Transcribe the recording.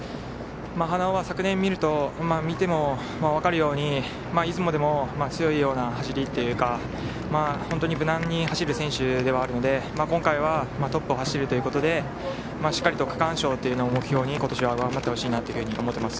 花尾は昨年を見てもわかるように出雲でも強いような走りというか本当に無難に走る選手ではあるので今回はトップを走るということでしっかりと区間賞を目標に今年は頑張ってもらいたいと思います。